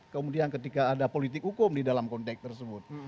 kemudian ketika ada politik hukum di dalam konteks tersebut